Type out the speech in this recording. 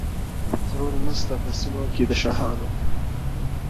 زړونه نسته په سینو کي د شاهانو!.